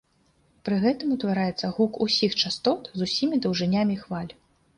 Пры гэтым утвараецца гук усіх частот з усімі даўжынямі хваль.